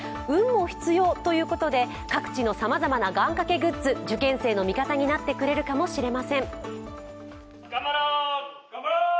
運も必要ということで、各地のさまざまな願かけグッズ、受験生の味方になってくれるかもしれません。